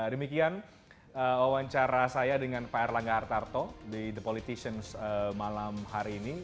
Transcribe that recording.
demikian wawancara saya dengan pak erlangga hartarto di the politicians malam hari ini